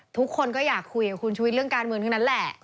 ทุกคนก็อยากคุยกับคุณชุวิตเรื่องการเมืองทั้งนั้นแหละ